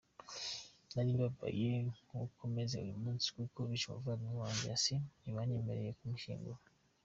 Nari mbabaye nkuko meze uyu munsi kuko bishe umuvandimwe wanjye Yasin, ntibanyemerera kumushyingura.